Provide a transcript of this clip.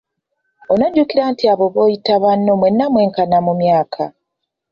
Onojjukira nti abo b'oyita banno mwenna mwenkana mu myaka.